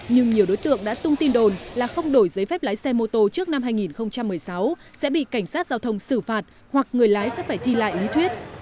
nhưng nhiều đối tượng đã tung tin đồn là không đổi giấy phép lái xe mô tô trước năm hai nghìn một mươi sáu sẽ bị cảnh sát giao thông xử phạt hoặc người lái sẽ phải thi lại lý thuyết